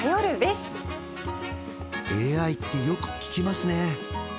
ＡＩってよく聞きますね